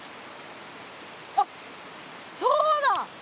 あそうだ！